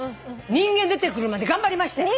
人間出てくるまで頑張りましたよ。